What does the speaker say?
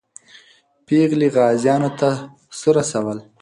پېغلې غازیانو ته څه رسول؟